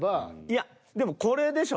いやでもこれでしょ。